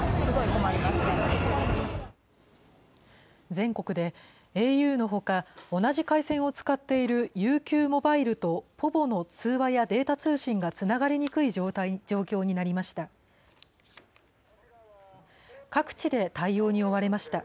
全国でａｕのほか、同じ回線を使っているＵＱモバイルとｐｏｖｏの通話やデータ通信がつながりにくい状況になりました。